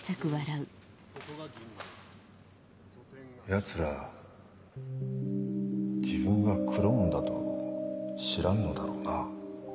ヤツら自分がクローンだと知らんのだろうな。